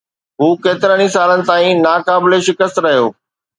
هو ڪيترن ئي سالن تائين ناقابل شڪست رهيو